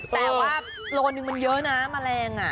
แต่ว่าโลหนึ่งมันเยอะนะแมลง